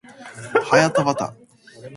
はやたわた